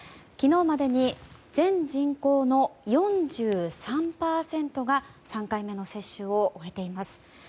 昨日までに全人口の４３％が３回目の接種を終えています。